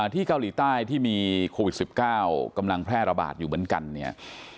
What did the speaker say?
ที่เกาหลีใต้ที่มีโควิด๑๙กำลังแพร่ระบาดอยู่เหมือนกันเนี่ย